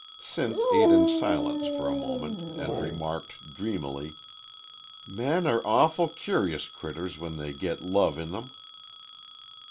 Sinth ate in silence for a moment and remarked, dreamily, "Men are awful cur'is critters when they git love in 'em."